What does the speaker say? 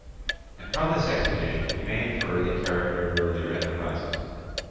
And from this expedition we may infer the character of earlier enterprises.